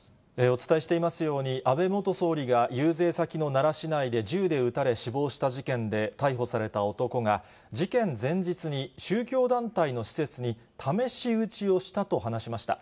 お伝えしていますように、安倍元総理が遊説先の奈良市内で銃で撃たれ死亡した事件で逮捕された男が、事件前日に宗教団体の施設に試し撃ちをしたと話しました。